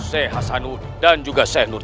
seh hasanudin dan juga seh nurjad